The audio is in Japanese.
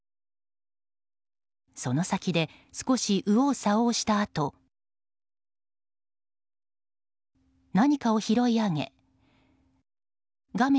その先で少し右往左往したあと何かを拾い上げ画面